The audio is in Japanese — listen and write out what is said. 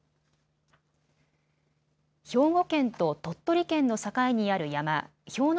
兵庫県と鳥取県の境にある山、氷ノ